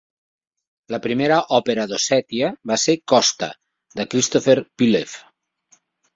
La primera òpera d'Ossètia va ser "Kosta", de Christopher Pliev.